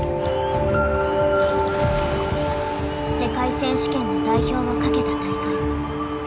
世界選手権の代表をかけた大会。